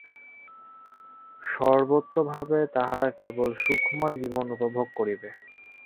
সর্বতোভাবে তাহারা কেবল সুখময় জীবন উপভোগ করিবে।